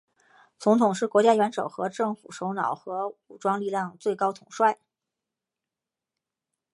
总统是国家元首和政府首脑和武装力量最高统帅。